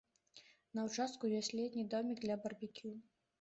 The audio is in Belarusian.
На ўчастку ёсць летні домік для барбекю.